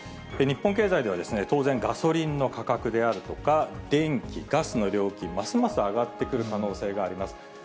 日本経済では、当然ガソリンの価格であるとか、電気・ガスの料金、ますます上がってくる可能性があります。